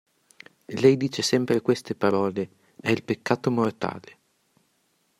Lei dice sempre queste parole: è il peccato mortale.